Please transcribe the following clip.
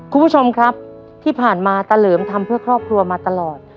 คุณผู้ชมครับที่ผ่านมาตะเหลิมทำเพื่อครอบครัวมาตลอด